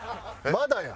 まだや！